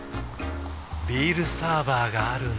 ビールサーバーがある夏。